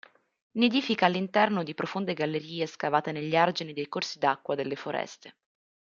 Nidifica all'interno di profonde gallerie scavate negli argini dei corsi d'acqua delle foreste.